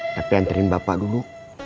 tapi anterin bapak dulu